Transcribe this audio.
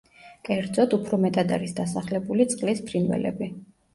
კერძოდ, უფრო მეტად არის დასახლებული წყლის ფრინველები.